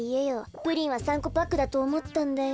プリンは３こパックだとおもったんだよ。